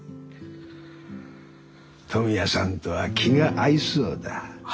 冨屋さんとは気が合いそうだ。